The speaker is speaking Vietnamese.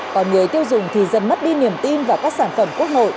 còn người tiêu dùng thì dần mất đi niềm tin vào các sản phẩm